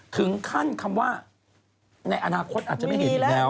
ถึงขั้นคำว่าในอนาคตอาจจะไม่เห็นอีกแล้ว